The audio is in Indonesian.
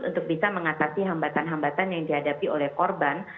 untuk bisa mengatasi hambatan hambatan yang dihadapi oleh korban